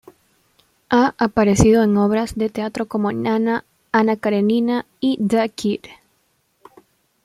Ha aparecido en obras de teatro como "Nana", "Anna Karenina" y "The Kid".